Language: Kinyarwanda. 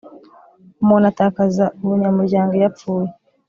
umuntu atakaza ubunyamuryango iyo apfuye